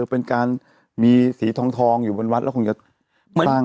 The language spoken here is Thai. เป็นการมีสีทองอยู่บนวัดแล้วคงจะสร้าง